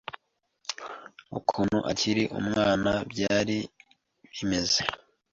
ukuntu akiri umwana byari bimeze